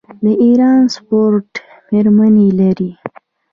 د ایران سپورټ میرمنې لري.